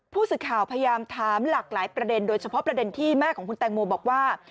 ผู้สื่อข่าวพยายามถามหลากหลายประเด็นโดยเฉพาะประเด็นที่แม่ของคุณแตงโมบอกว่า